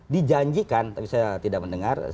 dijanjikan tapi saya tidak mendengar